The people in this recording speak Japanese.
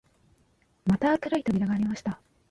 また黒い扉がありました